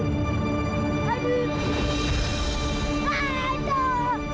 bima kebangga pulau itu